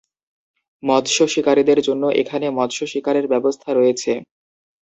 মৎস্য শিকারীদের জন্য এখানে মৎস্য শিকারের ব্যবস্থা রয়েছে।